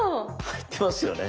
⁉入ってますよね？